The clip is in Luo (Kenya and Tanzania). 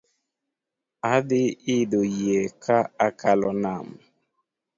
Adhi idho yie ka akalo nam